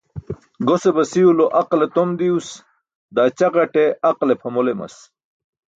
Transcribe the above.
Gose basiw lo aqale tom diws, daa ćaġate aqale pʰamol emas.